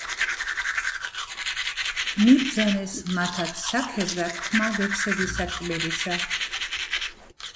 მიბრძანეს მათად საქებრად თქმა ლექსებისა ტკბილისა